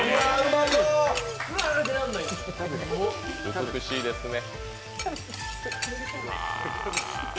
美しいですね。